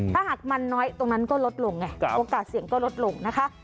ถ้าหากมันน้อยตรงนั้นก็ลดลงไงโอกาสเสี่ยงก็ลดลงนะคะ